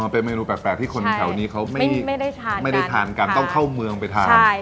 เป็นเมนูแปลกที่คนแถวนี้เขาไม่ได้ทานกันต้องเข้าเมืองไปทาน